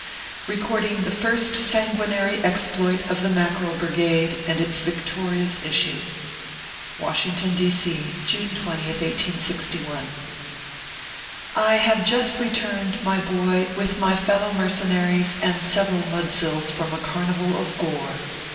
RECORDING THE FIRST SANGUINARY EXPLOIT OF THE MACKEREL BRIGADE, AND ITS VICTORIOUS ISSUE. WASHINGTON, D. C., Juno 20th, 1861. I HAVE just returned, my "boy, with my fellow mercenaries and several mudsills from a carnival of gore.